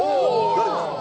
誰ですか？